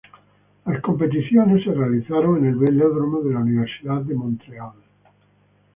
Las competiciones se realizaron en el velódromo de la Universidad de Montreal.